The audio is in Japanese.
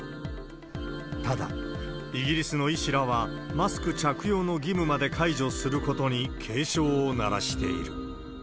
ただ、イギリスの医師らは、マスク着用の義務まで解除することに警鐘を鳴らしている。